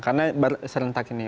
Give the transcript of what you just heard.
karena serentak ini